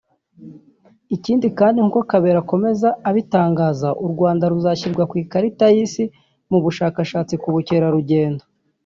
Ikindi kandi nk’uko Kabera akomeza abitangaza u Rwanda ruzashyirwa ku ikarita y’isi mu bushakashatsi mu bukerarugendo